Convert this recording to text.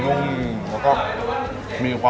อันนี้หนุ่มเลย